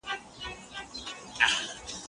ځيني ځيني تير وتلي